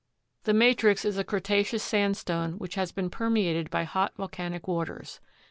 The matrix is a Cretaceous sandstone which has been permeated by hot volcanic waters.